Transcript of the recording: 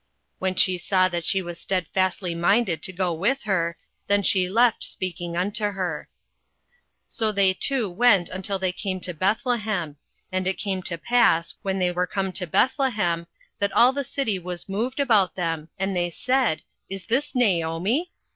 08:001:018 When she saw that she was stedfastly minded to go with her, then she left speaking unto her. 08:001:019 So they two went until they came to Bethlehem. And it came to pass, when they were come to Bethlehem, that all the city was moved about them, and they said, Is this Naomi?